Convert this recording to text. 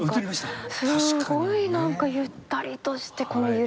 すごいなんかゆったりとしてこの揺らぎに。